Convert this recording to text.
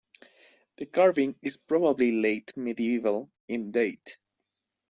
The carving is probably late medieval in date.